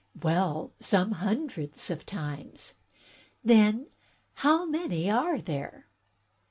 "Well, some hundreds of times." "Then how many are there?"